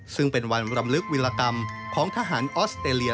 ซึ่งเป็นวันรำลึกวิลกรรมของทหารออสเตรเลีย